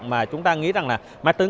mà chúng ta nghĩ rằng là máy tính